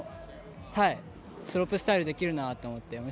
スロープスタイルできるなと思って。